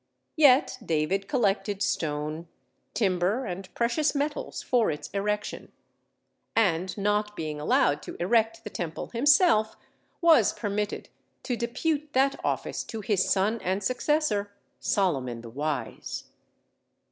Yet David collected stone, timber, and precious metals for its erection; and, not being allowed to erect the temple himself, was permitted to depute that office to his son and successor, "Solomon the Wise."